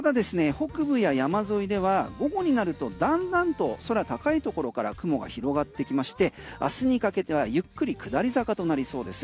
北部や山沿いでは午後になるとだんだんと空高いところから雲が広がってきまして明日にかけてはゆっくり下り坂となりそうです。